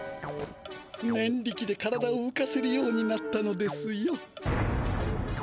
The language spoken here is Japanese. ねん力で体をうかせるようになったのですよ。